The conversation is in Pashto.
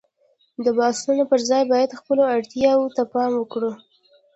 د بحثونو پر ځای باید خپلو اړتياوو ته پام وکړو.